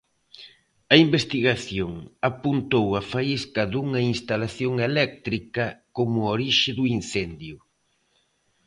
A investigación apuntou a faísca dunha instalación eléctrica como orixe do incendio.